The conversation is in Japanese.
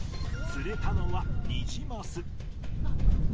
釣れたのはニジマス。